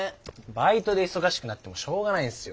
バイトで忙しくなってもしょうがないんですよ。